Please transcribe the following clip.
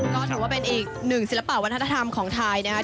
ก็ถือว่าเป็นอีกหนึ่งศิลปะวัฒนธรรมของไทยนะครับ